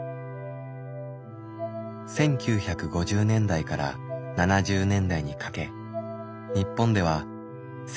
１９５０年代から７０年代にかけ日本では精神科病院が急増。